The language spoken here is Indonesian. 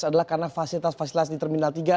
adalah karena fasilitas fasilitas di terminal tiga